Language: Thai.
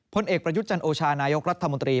ผลเอกประยุทธ์จันโอชานายกรัฐมนตรี